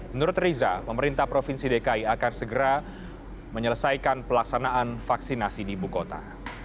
menurut riza pemerintah provinsi dki akan segera menyelesaikan pelaksanaan vaksinasi di ibu kota